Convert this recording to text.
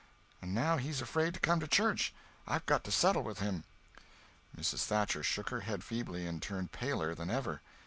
And now he's afraid to come to church. I've got to settle with him." Mrs. Thatcher shook her head feebly and turned paler than ever.